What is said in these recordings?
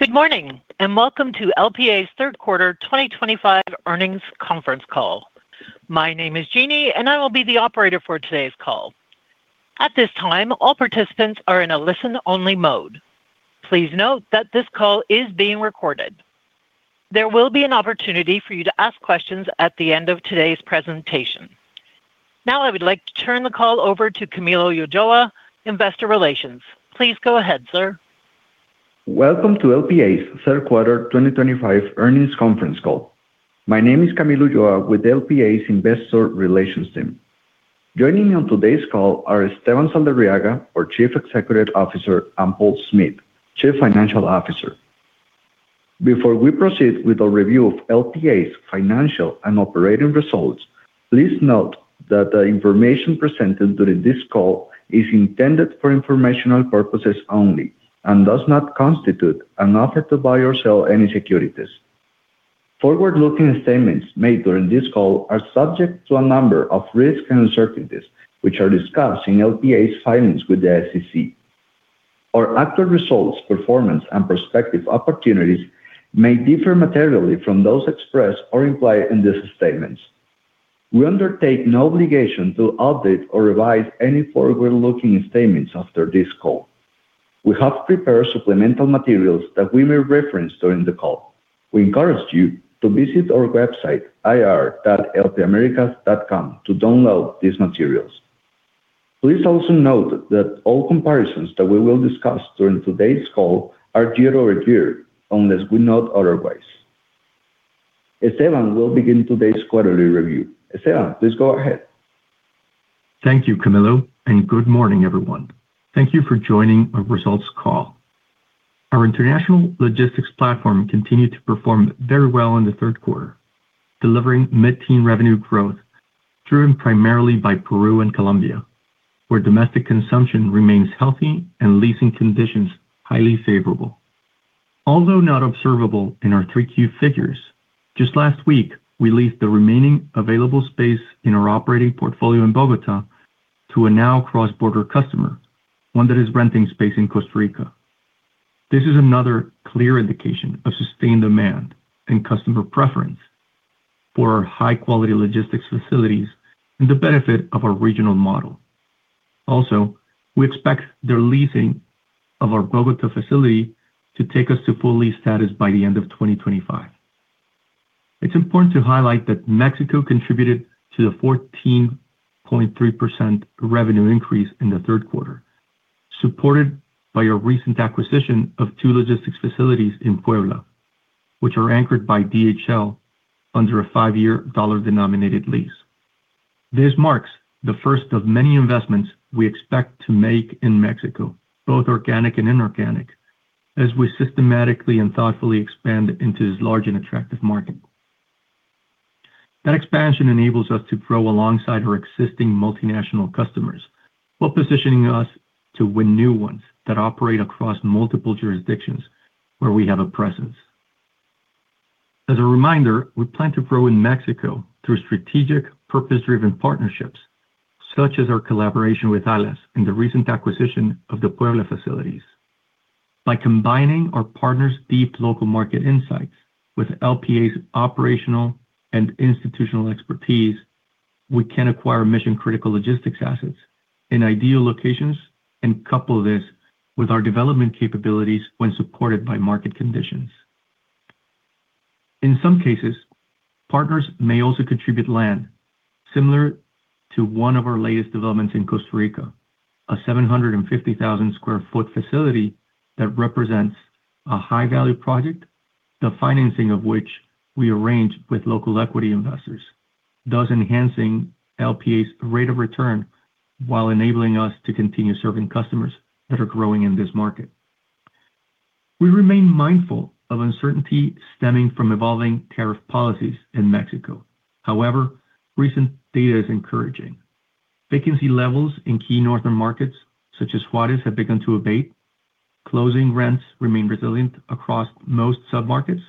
Good morning and welcome to LPA's third quarter 2025 Earnings Conference Call. My name is Jeannie, and I will be the operator for today's call. At this time, all participants are in a listen-only mode. Please note that this call is being recorded. There will be an opportunity for you to ask questions at the end of today's presentation. Now, I would like to turn the call over to Camilo Ulloa, Investor Relations. Please go ahead, sir. Welcome to LPA's third quarter 2025 Earnings Conference Call. My name is Camilo Ulloa with LPA's Investor Relations team. Joining me on today's call are Esteban Saldarriaga, our Chief Executive Officer, and Paul Smith, Chief Financial Officer. Before we proceed with our review of LPA's financial and operating results, please note that the information presented during this call is intended for informational purposes only and does not constitute an offer to buy or sell any securities. Forward-looking statements made during this call are subject to a number of risks and uncertainties, which are discussed in LPA's filings with the SEC. Our actual results, performance, and prospective opportunities may differ materially from those expressed or implied in these statements. We undertake no obligation to update or revise any forward-looking statements after this call. We have prepared supplemental materials that we may reference during the call. We encourage you to visit our website, ir.lpamericas.com, to download these materials. Please also note that all comparisons that we will discuss during today's call are Year-over-Year, unless we note otherwise. Esteban will begin today's quarterly review. Esteban, please go ahead. Thank you, Camilo, and good morning, everyone. Thank you for joining our results call. Our international logistics platform continued to perform very well in the third quarter, delivering mid-teen revenue growth driven primarily by Peru and Colombia, where domestic consumption remains healthy and leasing conditions highly favorable. Although not observable in our three-key figures, just last week we leased the remaining available space in our operating portfolio in Bogotá to a now cross-border customer, one that is renting space in Costa Rica. This is another clear indication of sustained demand and customer preference for our high-quality logistics facilities and the benefit of our regional model. Also, we expect the leasing of our Bogotá facility to take us to full lease status by the end of 2025. It's important to highlight that Mexico contributed to the 14.3% revenue increase in the third quarter, supported by a recent acquisition of two logistics facilities in Puebla, which are anchored by DHL under a five-year dollar-denominated lease. This marks the first of many investments we expect to make in Mexico, both organic and inorganic, as we systematically and thoughtfully expand into this large and attractive market. That expansion enables us to grow alongside our existing multinational customers, while positioning us to win new ones that operate across multiple jurisdictions where we have a presence. As a reminder, we plan to grow in Mexico through strategic, purpose-driven partnerships, such as our collaboration with ALAS and the recent acquisition of the Puebla facilities. By combining our partners' deep local market insights with LPA's operational and institutional expertise, we can acquire mission-critical logistics assets in ideal locations and couple this with our development capabilities when supported by market conditions. In some cases, partners may also contribute land, similar to one of our latest developments in Costa Rica, a 750,000 sq ft facility that represents a high-value project, the financing of which we arrange with local Equity Investors, thus enhancing LPA's rate of return while enabling us to continue serving customers that are growing in this market. We remain mindful of uncertainty stemming from evolving tariff policies in Mexico. However, recent data is encouraging. Vacancy levels in key northern markets, such as Juárez, have begun to abate. Closing rents remain resilient across most submarkets,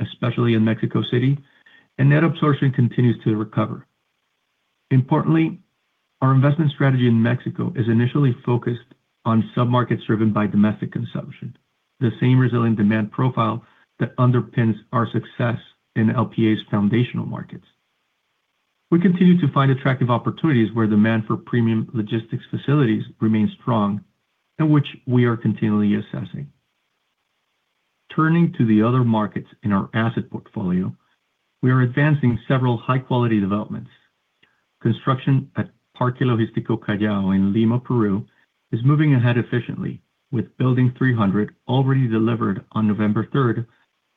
especially in Mexico City, and net absorption continues to recover. Importantly, our investment strategy in Mexico is initially focused on submarkets driven by domestic consumption, the same resilient demand profile that underpins our success in LPA's foundational markets. We continue to find attractive opportunities where demand for premium logistics facilities remains strong and which we are continually assessing. Turning to the other markets in our asset portfolio, we are advancing several high-quality developments. Construction at Parque Logístico Callao in Lima, Peru, is moving ahead efficiently, with Building 300 already delivered on November 3rd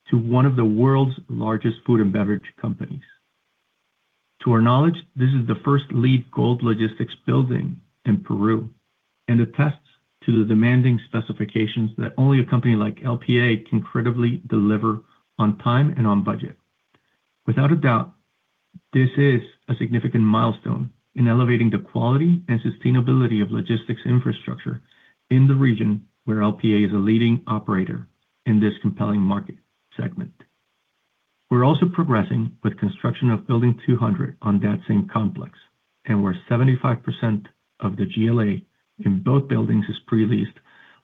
to one of the world's largest food and beverage companies. To our knowledge, this is the first LEED Gold logistics building in Peru and attests to the demanding specifications that only a company like LPA can credibly deliver on time and on budget. Without a doubt, this is a significant milestone in elevating the quality and sustainability of logistics infrastructure in the region where LPA is a leading operator in this compelling market segment. We're also progressing with Construction of Building 200 on that same complex, and where 75% of the GLA in both buildings is pre-leased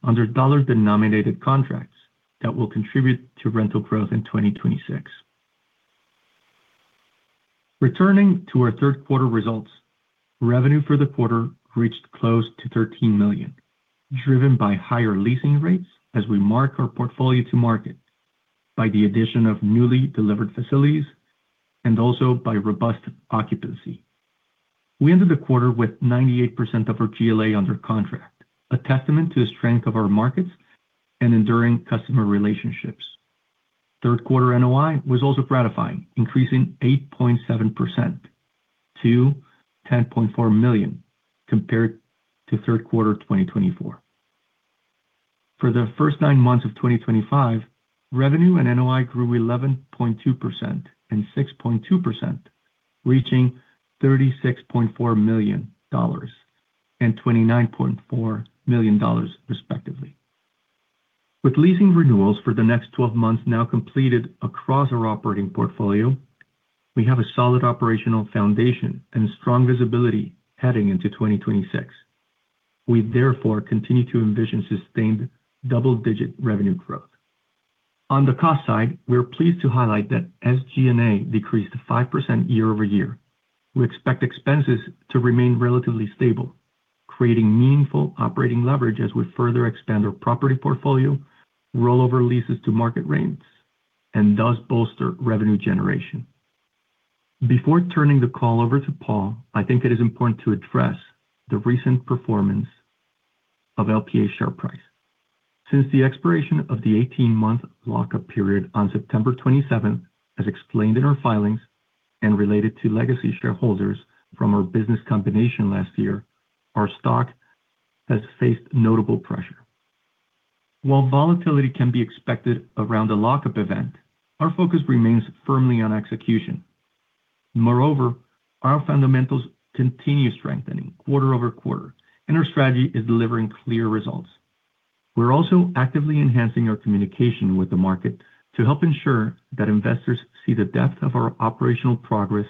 under dollar-denominated contracts that will contribute to rental growth in 2026. Returning to our third quarter results, revenue for the quarter reached close to $13 million, driven by higher leasing rates as we mark our portfolio to market, by the addition of newly delivered facilities, and also by robust occupancy. We ended the quarter with 98% of our GLA under contract, a testament to the strength of our markets and enduring customer relationships. Third quarter NOI was also gratifying, increasing 8.7% to $10.4 million compared to third quarter 2024. For the first nine months of 2025, revenue and NOI grew 11.2% and 6.2%, reaching $36.4 million and $29.4 million, respectively. With leasing renewals for the next 12 months now completed across our operating portfolio, we have a solid operational foundation and strong visibility heading into 2026. We therefore continue to envision sustained double-digit revenue growth. On the cost side, we're pleased to highlight that as G&A decreased 5% Year-over-Year, we expect expenses to remain relatively stable, creating meaningful operating leverage as we further expand our property portfolio, roll over leases to market rates, and thus bolster revenue generation. Before turning the call over to Paul, I think it is important to address the recent performance of LPA's share price. Since the expiration of the 18-month lockup period on September 27th, as explained in our filings and related to legacy shareholders from our business combination last year, our stock has faced notable pressure. While volatility can be expected around a lockup event, our focus remains firmly on execution. Moreover, our fundamentals continue strengthening quarter over quarter, and our strategy is delivering clear results. We're also actively enhancing our communication with the market to help ensure that investors see the depth of our operational progress,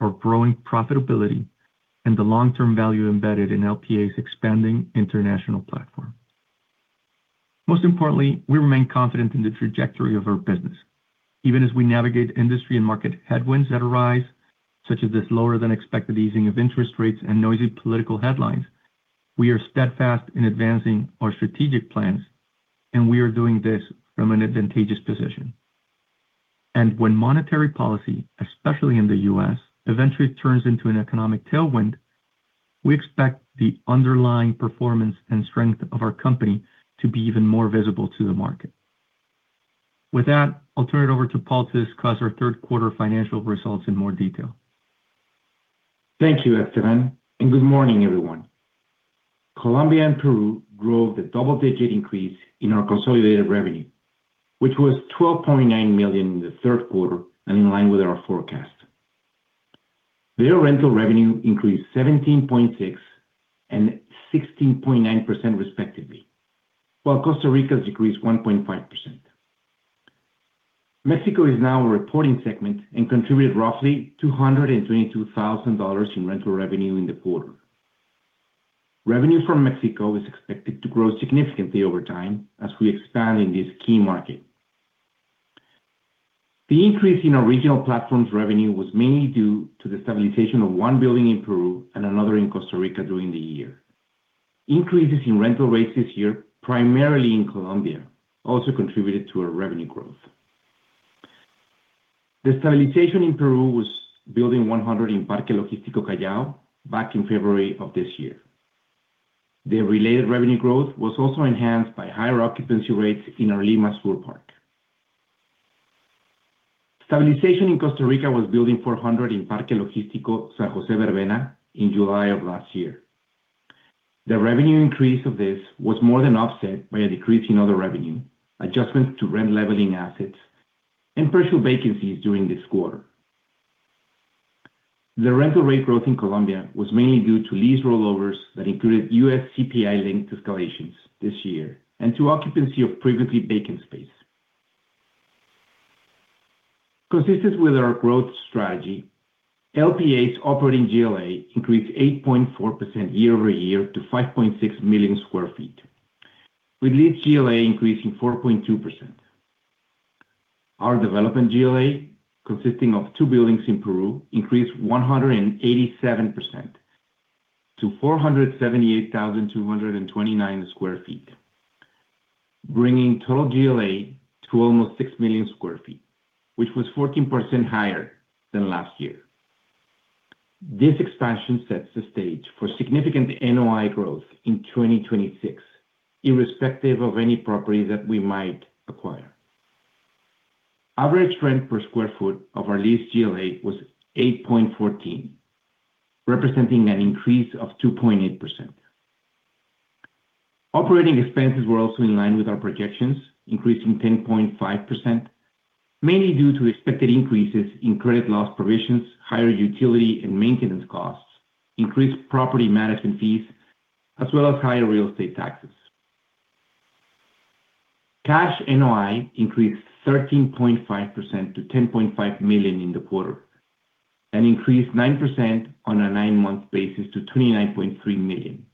our growing profitability, and the long-term value embedded in LPA's expanding international platform. Most importantly, we remain confident in the trajectory of our business. Even as we navigate industry and market headwinds that arise, such as this lower-than-expected easing of interest rates and noisy political headlines, we are steadfast in advancing our strategic plans, and we are doing this from an advantageous position. When monetary policy, especially in the U.S., eventually turns into an economic tailwind, we expect the underlying performance and strength of our company to be even more visible to the market. With that, I'll turn it over to Paul to discuss our third quarter financial results in more detail. Thank you, Esteban, and good morning, everyone. Colombia and Peru drove the double-digit increase in our consolidated revenue, which was $12.9 million in the third quarter and in line with our forecast. Their Rental revenue increased 17.6% and 16.9%, respectively, while Costa Rica's decreased 1.5%. Mexico is now a reporting segment and contributed roughly $222,000 in rental revenue in the quarter. Revenue from Mexico is expected to grow significantly over time as we expand in this key market. The increase in our regional platform's revenue was mainly due to the stabilization of one building in Peru and another in Costa Rica during the year. Increases in rental rates this year, primarily in Colombia, also contributed to our revenue growth. The stabilization in Peru was Building 100 in Parque Logístico Callao back in February of this year. The related revenue growth was also enhanced by higher occupancy rates in our Lima School Park. Stabilization in Costa Rica was Building 400 in Parque Logístico San José Verbena in July of last year. The revenue increase of this was more than offset by a decrease in other revenue, adjustments to rent-leveling assets, and partial vacancies during this quarter. The rental rate growth in Colombia was mainly due to lease rollovers that included US CPI-linked escalations this year and to occupancy of previously vacant space. Consistent with our growth strategy, LPA's operating GLA increased 8.4% Year-over-Year to 5.6 million sq ft, with leased GLA increasing 4.2%. Our development GLA, consisting of two buildings in Peru, increased 187% to 478,229 sq ft, bringing total GLA to almost 6 million sq ft, which was 14% higher than last year. This expansion sets the stage for significant NOI growth in 2026, irrespective of any properties that we might acquire. Average rent per sq ft of our leased GLA was $8.14, representing an increase of 2.8%. Operating expenses were also in line with our projections, increasing 10.5%, mainly due to expected increases in credit loss provisions, higher utility and maintenance costs, increased property management fees, as well as higher real estate taxes. Cash NOI increased 13.5% to $10.5 million in the quarter and increased 9% on a nine-month basis to $29.3 million.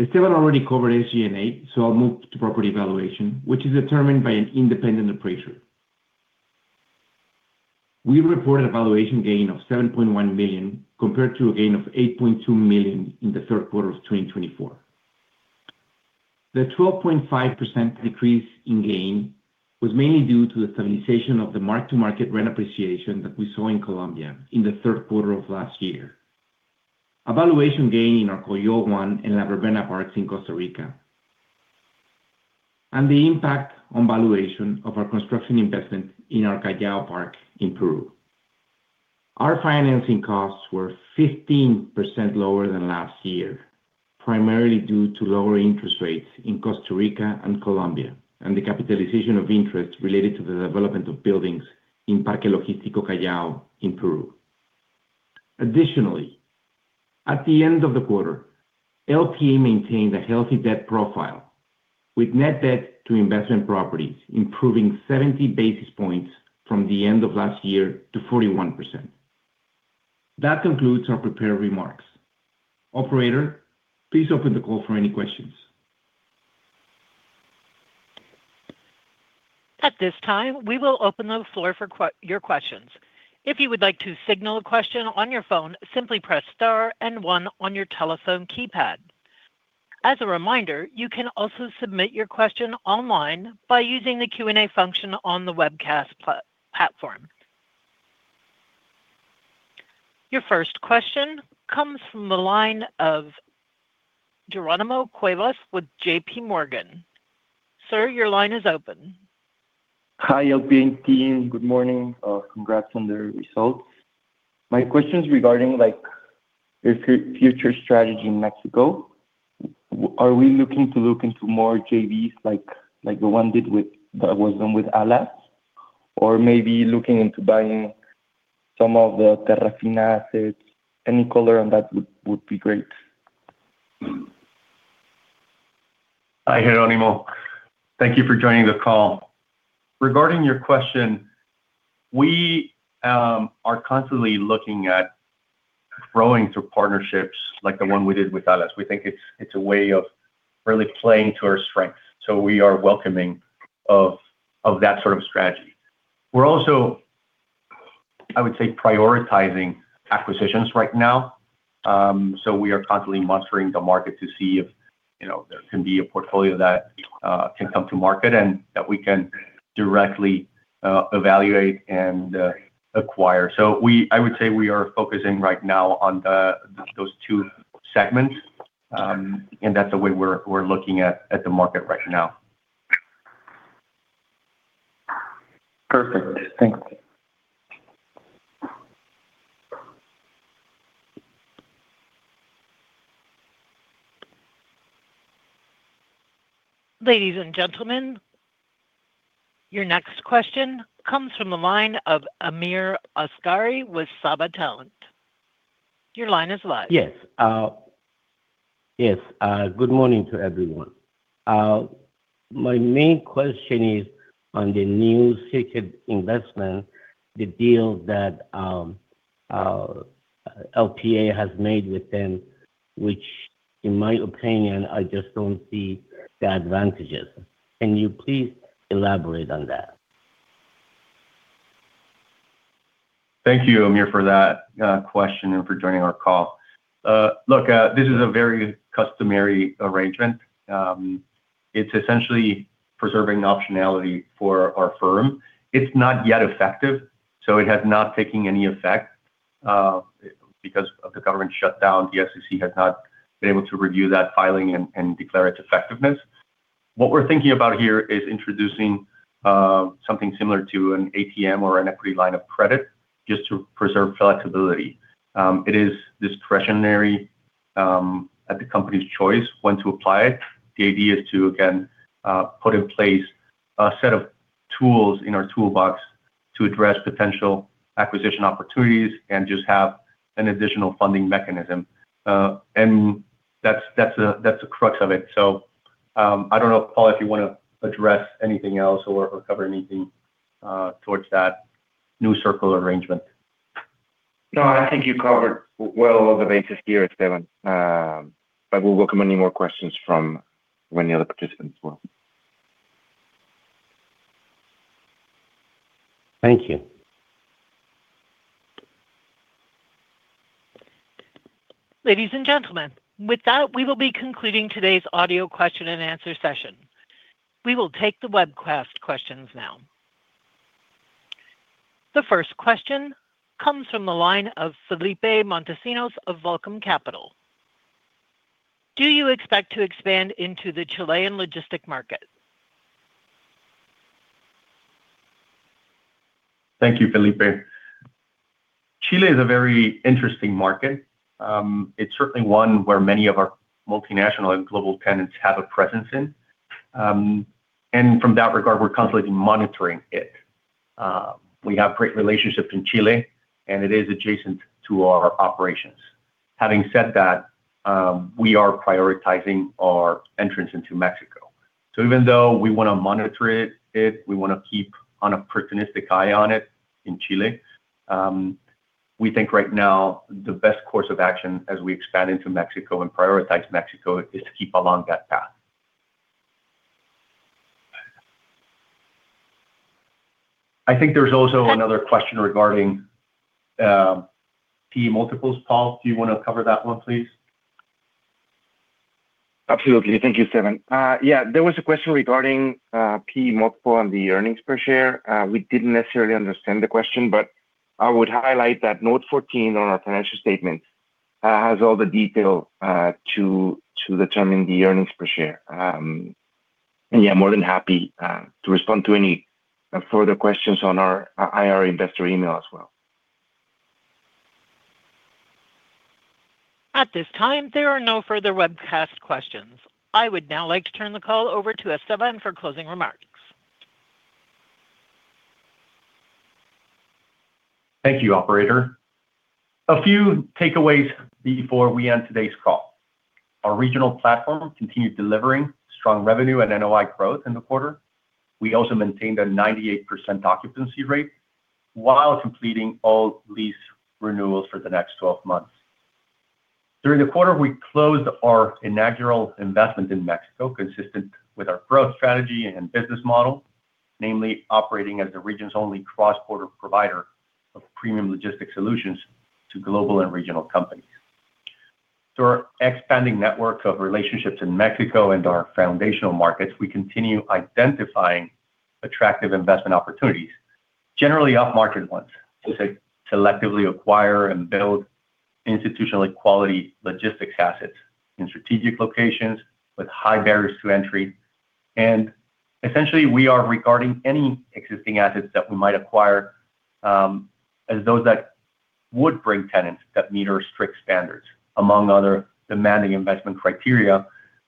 Esteban already covered SG&A, so I'll move to property valuation, which is determined by an independent appraiser. We reported a valuation gain of $7.1 million compared to a gain of $8.2 million in the third quarter of 2024. The 12.5% decrease in gain was mainly due to the Stabilization of the mark-to-market rent appreciation that we saw in Colombia in the third quarter of last year, a valuation gain in our Coyol one and La Verbena parks in Costa Rica, and the impact on valuation of our Construction investment in our Callao park in Peru. Our financing costs were 15% lower than last year, primarily due to lower interest rates in Costa Rica and Colombia and the capitalization of interest related to the development of buildings in Parque Logístico Callao in Peru. Additionally, at the end of the quarter, LPA maintained a healthy debt profile, with net debt to investment properties improving 70 basis points from the end of last year to 41%. That concludes our prepared remarks. Operator, please open the call for any questions. At this time, we will open the floor for your questions. If you would like to signal a question on your phone, simply press star and one on your telephone keypad. As a reminder, you can also submit your question online by using the Q&A function on the webcast platform. Your first question comes from the line of Geronimo Cuevas with JPMorgan. Sir, your line is open. Hi, LPA team. Good morning. Congrats on the results. My question is regarding future strategy in Mexico. Are we looking to look into more JVs like the one that was done with ALAS, or maybe looking into buying some of the Terrafina assets? Any color on that would be great. Hi, Geronimo. Thank you for joining the call. Regarding your question, we are constantly looking at growing through partnerships like the one we did with ALAS. We think it's a way of really playing to our strengths. We are welcoming that sort of strategy. We're also, I would say, prioritizing acquisitions right now. We are constantly monitoring the market to see if there can be a portfolio that can come to market and that we can directly evaluate and acquire. I would say we are focusing right now on those two segments, and that's the way we're looking at the market right now. Perfect. Thanks. Ladies and gentlemen, your next question comes from the line of Amir Asghari with Saba Talent. Your line is live. Yes. Yes. Good morning to everyone. My main question is on the new secret Investment, the deal that LPA has made with them, which, in my opinion, I just don't see the advantages. Can you please elaborate on that? Thank you, Amir, for that question and for joining our call. Look, this is a very customary arrangement. It's essentially preserving optionality for our firm. It's not yet effective, so it has not taken any effect because of the government shutdown. The SEC has not been able to review that filing and declare its effectiveness. What we're thinking about here is introducing something similar to an ATM or an Equity Line Of Credit just to preserve flexibility. It is discretionary at the company's choice when to apply it. The idea is to, again, put in place a set of tools in our toolbox to address potential acquisition opportunities and just have an additional funding mechanism. That's the crux of it. I don't know, Paul, if you want to address anything else or cover anything towards that new circle arrangement. No, I think you covered well all the bases here, Esteban, but we'll welcome any more questions from any other participants as well. Thank you. Ladies and gentlemen, with that, we will be concluding today's audio question and answer session. We will take the webcast questions now. The first question comes from the line of Felipe Montesinos of Vulcum Capital. Do you expect to expand into the Chilean logistic market? Thank you, Felipe. Chile is a very interesting market. It's certainly one where many of our multinational and global tenants have a presence in. From that regard, we're constantly monitoring it. We have great relationships in Chile, and it is adjacent to our operations. Having said that, we are prioritizing our entrance into Mexico. Even though we want to monitor it, we want to keep an opportunistic eye on it in Chile, we think right now the best course of action as we expand into Mexico and prioritize Mexico is to keep along that path. I think there's also another question regarding PE multiples, Paul. Do you want to cover that one, please? Absolutely. Thank you, Esteban. Yeah, there was a question regarding PE multiple and the earnings per share. We did not necessarily understand the question, but I would highlight that note 14 on our financial statements has all the detail to determine the earnings per share. Yeah, more than happy to respond to any further questions on our IR investor email as well. At this time, there are no further webcast questions. I would now like to turn the call over to Esteban for closing remarks. Thank you, Operator. A few TakeAways before we end today's call. Our regional platform continued delivering strong revenue and NOI growth in the quarter. We also maintained a 98% occupancy rate while completing all lease renewals for the next 12 months. During the quarter, we closed our inaugural investment in Mexico, consistent with our growth strategy and business model, namely operating as the region's only cross-border provider of premium logistics solutions to global and regional companies. Through our expanding network of relationships in Mexico and our foundational markets, we continue identifying attractive investment opportunities, generally off-market ones, to selectively acquire and build institutionally quality logistics assets in strategic locations with high barriers to entry. Essentially, we are regarding any existing assets that we might acquire as those that would bring tenants that meet our strict standards, among other demanding investment criteria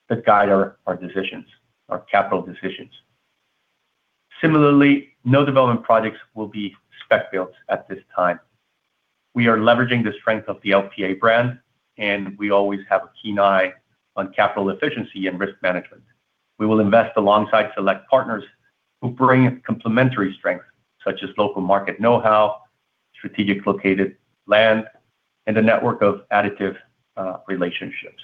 that guide our decisions, our capital decisions. Similarly, no development projects will be spec-built at this time. We are leveraging the strength of the LPA brand, and we always have a keen eye on capital efficiency and risk management. We will invest alongside select partners who bring complementary strengths, such as local market know-how, strategically located land, and a network of additive relationships.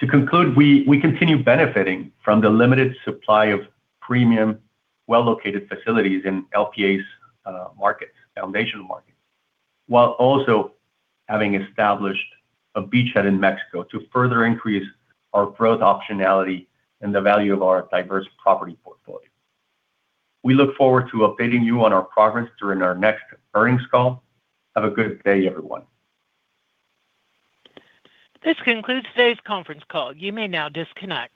To conclude, we continue benefiting from the limited supply of premium, well-located facilities in LPA's foundational markets, while also having established a beachhead in Mexico to further increase our growth optionality and the value of our diverse property portfolio. We look forward to updating you on our progress during our next earnings call. Have a good day, everyone. This concludes today's conference call. You may now disconnect.